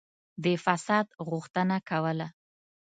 د فساد غوښتنه کوله.